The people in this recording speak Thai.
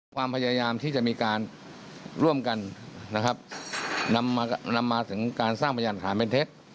ความพยายามที่จะมีการร่วมกันนะครับนำมานำมาถึงการสร้างพยานฐานเป็นเท็จ